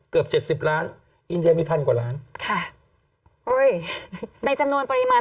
เกือบเจ็ดสิบล้านอินเดียมีพันกว่าล้านค่ะโอ้ยในจำนวนปริมาณ